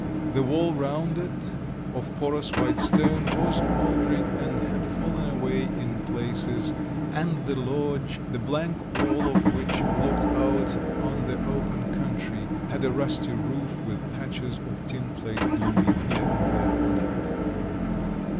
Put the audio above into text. The wall round it, of porous white stone, was mouldering and had fallen away in places, and the lodge, the blank wall of which looked out on the open country, had a rusty roof with patches of tin plate gleaming here and there on it.